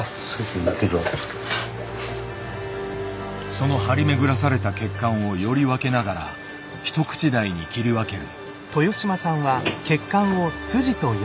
その張り巡らされた血管をより分けながら一口大に切り分ける。